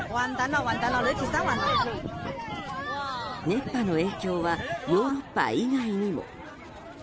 熱波の影響はヨーロッパ以外にも。